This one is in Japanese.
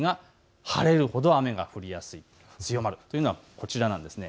晴れるほど雨が降りやすい、強まるというのはこちらなんです。